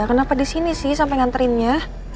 kenapa di sini sih sampai nganterinnya